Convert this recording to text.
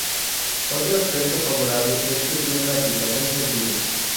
Otro aspecto favorable es que tiene una aplicación sencilla.